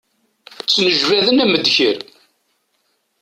Ttnejban am ddkir.